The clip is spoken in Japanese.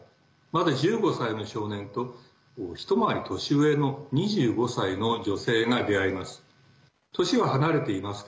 まだ１５歳の少年と一回り年上の２５歳の女性が出会います。